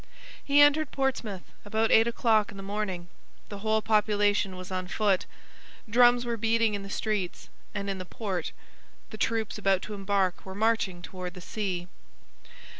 He entered Portsmouth about eight o'clock in the morning. The whole population was on foot; drums were beating in the streets and in the port; the troops about to embark were marching toward the sea.